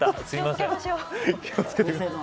すみません。